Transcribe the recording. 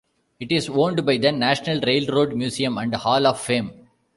It is owned by the National Railroad Museum and Hall of Fame.